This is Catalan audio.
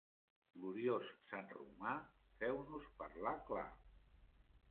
Gloriós sant Romà, feu-nos parlar clar.